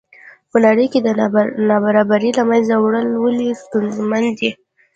په نړۍ کې د نابرابرۍ له منځه وړل ولې ستونزمن دي.